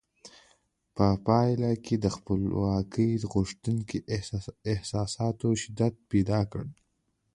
په پایله کې د خپلواکۍ غوښتنې احساساتو شدت پیدا کړ.